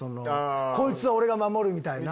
こいつは俺が守る！みたいな。